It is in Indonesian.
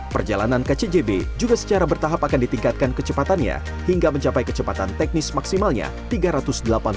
perjalanan ke cjb juga secara bertahap akan ditingkatkan kecepatannya hingga mencapai kecepatan teknis maksimalnya tiga ratus delapan puluh lima km per jam